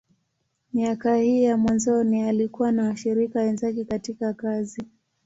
Miaka hii ya mwanzoni, alikuwa na washirika wenzake katika kazi.